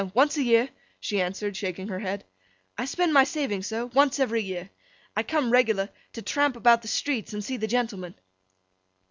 Once a year,' she answered, shaking her head. 'I spend my savings so, once every year. I come regular, to tramp about the streets, and see the gentlemen.